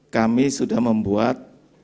kami sudah membuat